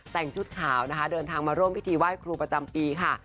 แต่งชุดขาวนะคะเดินทางมาร่วมพิธีไหว้ครูประจำปีค่ะ